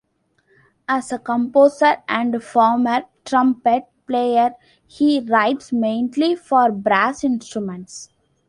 As a composer and former trumpet player, he writes mainly for brass instruments.